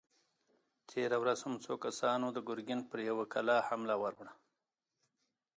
تېره ورځ هم څو کسانو د ګرګين پر يوه کلا حمله ور وړه!